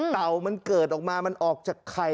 เต่ามันเกิดออกมามันออกจากไข่